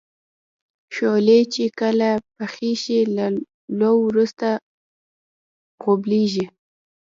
شولې چې کله پخې شي له لو وروسته غوبلیږي.